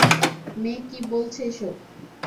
মেয়ে কী বলছে এসব?